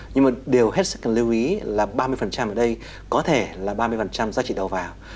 nhưng mà điều hết sức cần lưu ý là ba mươi ở đây có thể là ba mươi giá trị đầu vào